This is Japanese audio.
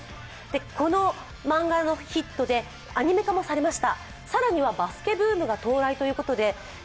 この漫画のヒットでアニメ化もされました。